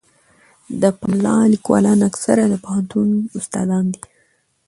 د پملا لیکوالان اکثره د پوهنتون استادان دي.